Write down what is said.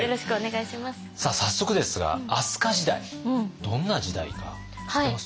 早速ですが飛鳥時代どんな時代か知ってます？